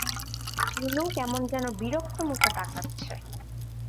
বিনু কেমন যেন বিরক্ত মুখে তাকাচ্ছে।